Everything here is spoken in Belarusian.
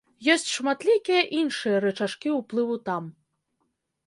Ёсць шматлікія іншыя рычажкі ўплыву там.